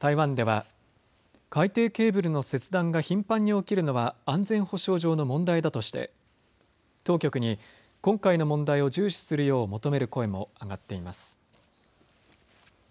台湾では海底ケーブルの切断が頻繁に起きるのは安全保障上の問題だとして当局に今回の問題を重視するよう求める声も上がっています。